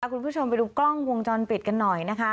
คุณผู้ชมไปดูกล้องวงจรปิดกันหน่อยนะคะ